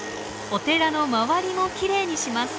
お寺の周りもきれいにします。